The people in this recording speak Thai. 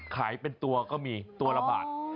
ขายเป็นตัวก็มีตัวละบาท